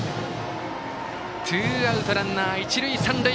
ツーアウトランナー、一塁三塁。